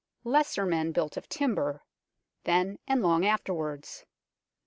Lesser men built of timber, then and long afterwards.